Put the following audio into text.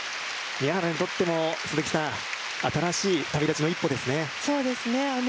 宮原にとっても新しい旅立ちの一歩ですね。